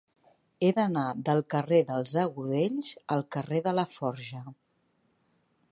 He d'anar del carrer dels Agudells al carrer de Laforja.